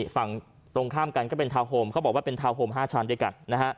ฝั่งตรงข้ามกันก็เป็นทาวน์โฮมเขาบอกว่าเป็นทาวน์โฮม๕ชั้นด้วยกันนะฮะ